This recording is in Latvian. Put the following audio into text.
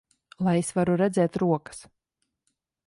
Lai es varu redzēt rokas!